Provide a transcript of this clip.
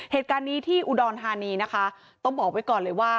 เหตุการณ์นี้ที่อุดรธานีนะคะต้องบอกไว้ก่อนเลยว่า